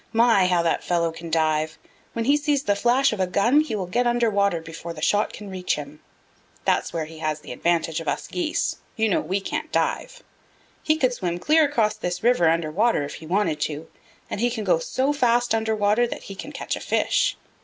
My, how that fellow can dive! When he sees the flash of a gun he will get under water before the shot can reach him. That's where he has the advantage of us Geese. You know we can't dive. He could swim clear across this river under water if he wanted to, and he can go so fast under water that he can catch a fish.